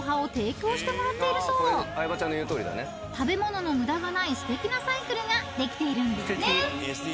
［食べ物の無駄がないすてきなサイクルができているんですね］